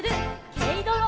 「けいどろ」